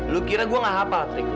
lu kira gue gak hafal trik